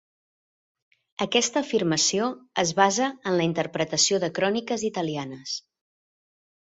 Aquesta afirmació es basa en la interpretació de cròniques italianes.